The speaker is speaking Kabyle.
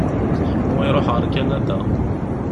Ḥemmu iruḥ ɣer Kanada.